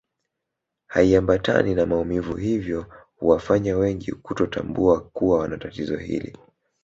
Haiambatani na maumivu hivyo huwafanya wengi kutotambua kuwa wana tatizo hili